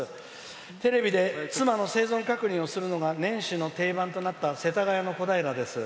テレビで妻の生存確認をするのが年始の定番となった世田谷の小平です。